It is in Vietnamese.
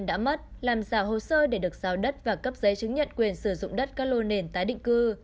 đã mất làm giả hồ sơ để được giao đất và cấp giấy chứng nhận quyền sử dụng đất các lô nền tái định cư